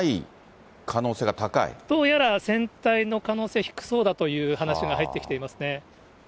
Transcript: どうやら船体の可能性が低そうだという話が入ってきていますね。